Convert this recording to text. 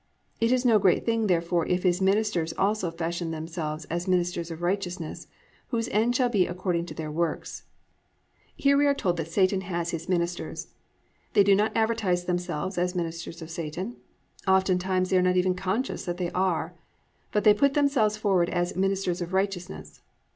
(15) It is no great thing therefore if his ministers also fashion themselves as ministers of righteousness; whose end shall be according to their works."+ Here we are told that Satan has his ministers. They do not advertise themselves as ministers of Satan, oftentimes they are not even conscious that they are; but they put themselves forward as "ministers of righteousness."